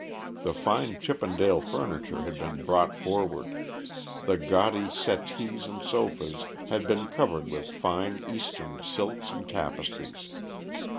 The fine Chippendale furniture had been brought forward; the gaudy settees and sofas had been covered with fine, Eastern silks and tapestries.